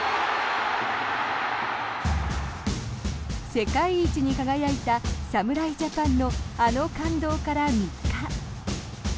世界一に輝いた侍ジャパンのあの感動から３日。